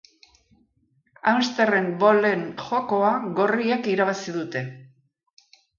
Hamsterren bolen jokoa gorriek irabazi dute.